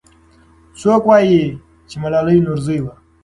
څوک وایي چې ملالۍ نورزۍ وه؟